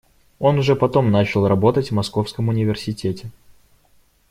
Он уже потом начал работать в Московском университете.